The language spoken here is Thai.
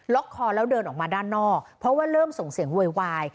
คอแล้วเดินออกมาด้านนอกเพราะว่าเริ่มส่งเสียงโวยวาย